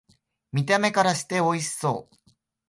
見た目からしておいしそう